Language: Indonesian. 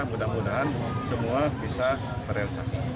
mudah mudahan semua bisa terrealisasi